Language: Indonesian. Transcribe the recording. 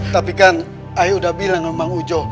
tapi kan ayah udah bilang sama ujo